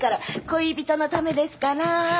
恋人のためですから。